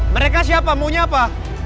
mereka siapa maunya apa